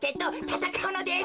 たたかうのです。